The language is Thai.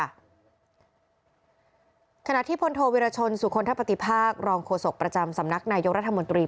ขณะที่พลโทวิรชนสุคลทะปฏิภาครองโฆษกประจำสำนักนายกรัฐมนตรี